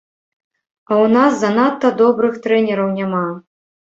А ў нас занадта добрых трэнераў няма.